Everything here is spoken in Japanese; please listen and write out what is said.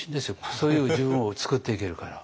そういう自分を作っていけるから。